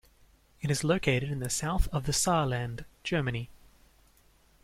It is located in the south of the Saarland, Germany.